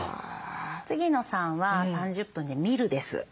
次の３は３０分で「見る」です。